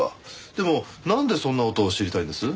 でもなんでそんな事を知りたいんです？